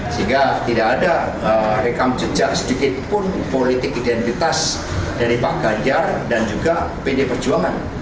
sehingga tidak ada rekam jejak sedikit pun politik identitas dari pak ganjar dan juga pd perjuangan